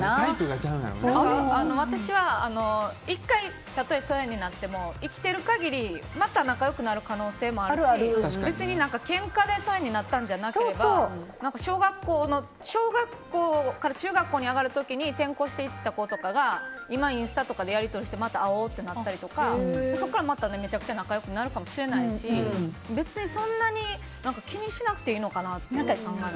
私は１回たとえ疎遠になっても生きてる限りまた仲良くなる可能性もあるし別にけんかで疎遠になったんじゃなければ小学校から中学校に上がる時に転校していった子とかが今インスタとかでやり取りしてまた会おうってなったりとかそこからめちゃくちゃ仲良くなるかもしれないし別にそんなに気にしなくていいのかなって。